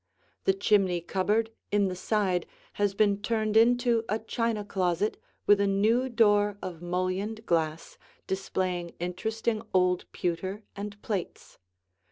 The chimney cupboard in the side has been turned into a china closet with a new door of mullioned glass displaying interesting old pewter and plates.